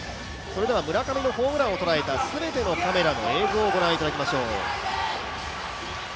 村上のホームラン捉えた全てのカメラの映像をご覧いただきましょう。